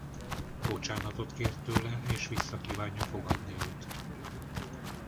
Bocsánatot kér tőle és vissza kívánja fogadni őt.